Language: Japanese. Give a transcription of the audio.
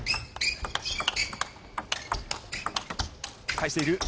返している。